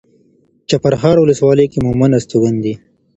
چپرهار ولسوالۍ کې مومند استوګن دي.